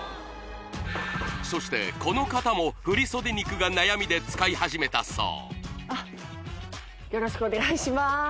そしてこの方も振袖肉が悩みで使い始めたそうよろしくお願いします